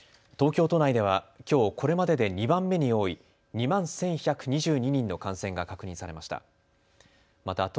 東京都内ではきょうこれまでで２番目に多い２万１１２２人の感染が確認されました。